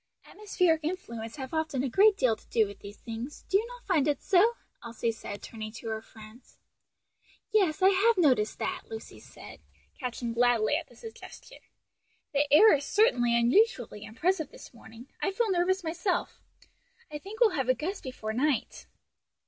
"Atmospheric influences have often a great deal to do with these things; do you not find it so?" Elsie said, turning to her friend. "Yes, I have noticed that!" Lucy said, catching gladly at the suggestion: "and the air is certainly unusually oppressive this morning. I feel nervous myself. I think we'll have a gust before night."